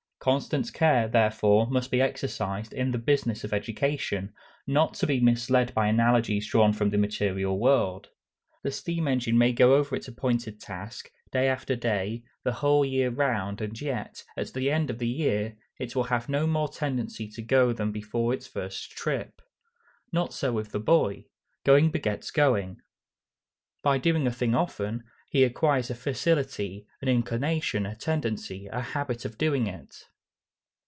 Constant care, therefore, must be exercised, in the business of education, not to be misled by analogies drawn from the material world. The steam engine may go over its appointed task, day after day, the whole year round, and yet, at the end of the year, it will have no more tendency to go than before its first trip. Not so the boy. Going begets going. By doing a thing often, he acquires a facility, an inclination, a tendency, a habit of doing it.